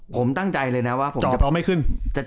ผมตั้งใจเลยนะจ่อเราไม่ขึ้น